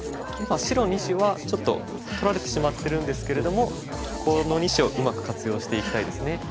今白２子はちょっと取られてしまってるんですけれどもこの２子をうまく活用していきたいですね。